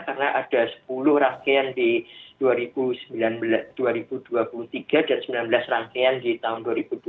karena ada sepuluh rangkaian di dua ribu dua puluh tiga dan sembilan belas rangkaian di tahun dua ribu dua puluh empat